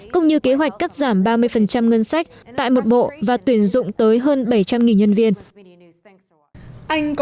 cũng như kế hoạch cắt giảm ba mươi ngân sách tại một bộ và tuyển dụng tới hơn bảy trăm linh nhân viên